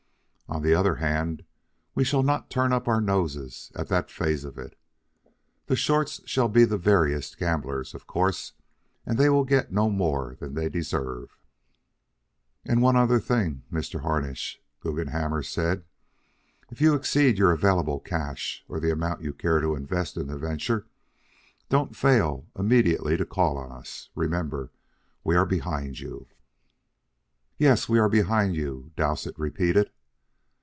On the other hand, we shall not turn up our noses at that phase of it. The shorts shall be the veriest gamblers, of course, and they will get no more than they deserve." "And one other thing, Mr. Harnish," Guggenhammer said, "if you exceed your available cash, or the amount you care to invest in the venture, don't fail immediately to call on us. Remember, we are behind you." "Yes, we are behind you," Dowsett repeated.